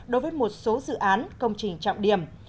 đối với một số dự án công trình trọng điểm